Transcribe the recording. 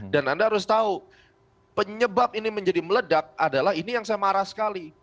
dan anda harus tahu penyebab ini menjadi meledak adalah ini yang saya marah sekali